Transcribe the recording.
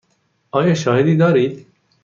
آیا شاهدی دارید؟